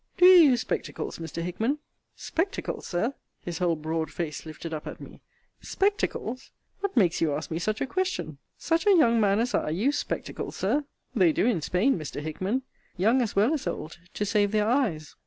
Do you use spectacles, Mr. Hickman? Spectacles, Sir! His whole broad face lifted up at me: Spectacles! What makes you ask me such a question? such a young man as I use spectacles, Sir! They do in Spain, Mr. Hickman: young as well as old, to save their eyes.